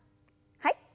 はい。